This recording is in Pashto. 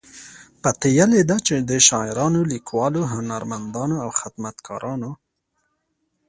پتیلې ده چې د شاعرانو، لیکوالو، هنرمندانو او خدمتګارانو